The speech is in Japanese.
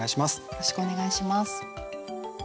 よろしくお願いします。